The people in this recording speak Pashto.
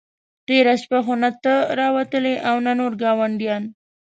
تېره شپه خو نه ته را وتلې او نه نور ګاونډیان.